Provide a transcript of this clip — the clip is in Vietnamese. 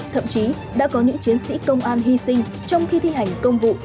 thậm chí đã có những chiến sĩ công an hy sinh trong khi thi hành công vụ